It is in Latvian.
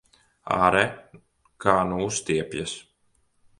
Āre, kā nu uztiepjas!